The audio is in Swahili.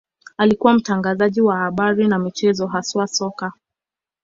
Alikuwa mtangazaji wa habari na michezo, haswa soka.